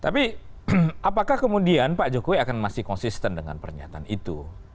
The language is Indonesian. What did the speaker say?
tapi apakah kemudian pak jokowi akan masih konsisten dengan pernyataan itu